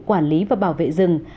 quản lý và bảo vệ rừng